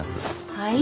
はい？